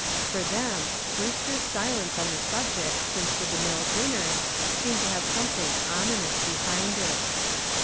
For them Brewster's silence on the subject since the DeMille dinner seemed to have something ominous behind it.